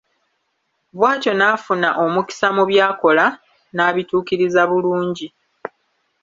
Bw'atyo n'afuna omukisa mu by'akola, n'abituukiriza bulungi.